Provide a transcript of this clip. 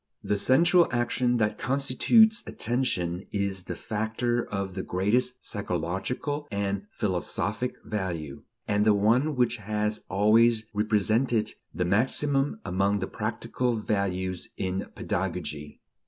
The central action that constitutes attention is the factor of the greatest psychological and philosophic value, and the one which has always represented the maximum among the practical values in pedagogy.